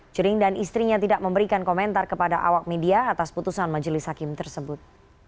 jering dan istrinya tidak memberikan komentar kepada awak media atas putusan majelis hakim tersebut